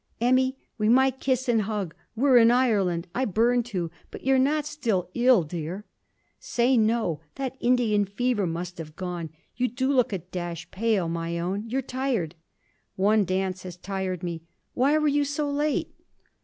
'Emmy! we might kiss and hug; we're in Ireland. I burn to! But you're not still ill, dear? Say no! That Indian fever must have gone. You do look a dash pale, my own; you're tired.' 'One dance has tired me. Why were you so late?'